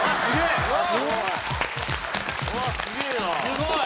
すごい！